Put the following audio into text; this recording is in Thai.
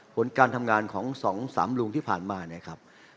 ผลการทำงานของ๒๓ลุงที่ผ่านมาเนี่ยครับ